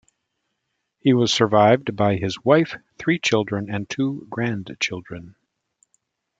He was survived by his wife, three children, and two grandchildren.